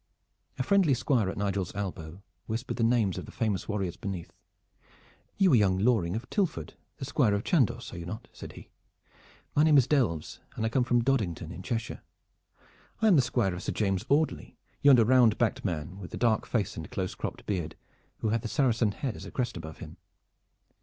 A friendly Squire at Nigel's elbow whispered the names of the famous warriors beneath. "You are young Loring of Tilford, the Squire of Chandos, are you not?" said he. "My name is Delves, and I come from Doddington in Cheshire. I am the Squire of Sir James Audley, yonder round backed man with the dark face and close cropped beard, who hath the Saracen head as a crest above him."